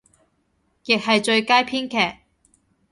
亦係最佳編劇